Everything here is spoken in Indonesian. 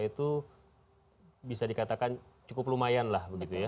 itu bisa dikatakan cukup lumayan lah